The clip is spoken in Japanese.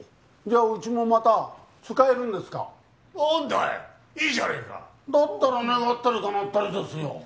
じゃうちもまた使えるんですか何だいいいじゃねえかだったら願ったり叶ったりですよ